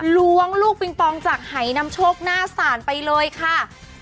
ล้วงลูกปิงปองจากหายนำโชคหน้าศาลไปเลยค่ะ